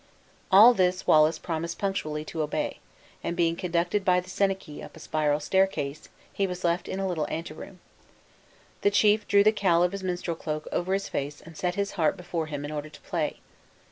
All this Wallace promised punctually to obey; and being conducted by the senachie up a spiral staircase, was left in the little anteroom. The chief drew the cowl of his minstrel cloak over his face and set his harp before him in order to play.